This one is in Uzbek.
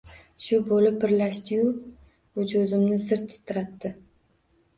Shu bo’lib birlashdi-yu, vujudimni zir titratdi.